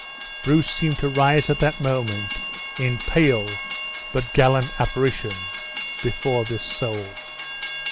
Bruce seemed to rise at that moment in pale but gallant apparition before his soul.